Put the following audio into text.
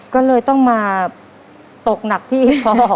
ก็เลยต้องมาตกหนักที่พอ